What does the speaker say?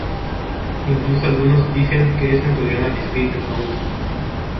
Incluso algunos dicen que es un programa de espíritu "punk".